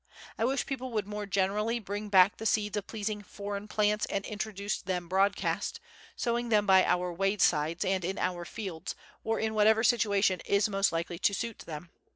I wish people would more generally bring back the seeds of pleasing foreign plants and introduce them broadcast, sowing them by our waysides and in our fields, or in whatever situation is most likely to suit them.